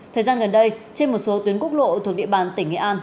thời gian gần đây trên một số tuyến quốc lộ thuộc địa bàn tỉnh nghệ an